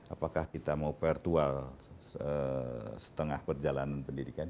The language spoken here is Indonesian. apakah kita mau virtual setengah perjalanan pendidikan